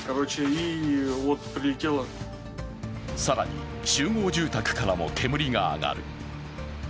更に集合住宅からも煙が上がる。